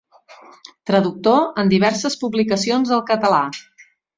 Traductor en diverses publicacions al català.